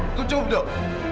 udah cukup dok